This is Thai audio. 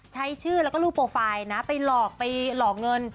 ใช้ชื่อแล้วก็รูปโปรไฟล์นะไปหลอกไปหลอกเงิน